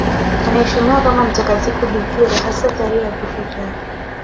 Anaheshimiwa kama mtakatifu bikira, hasa tarehe ya kifo chake.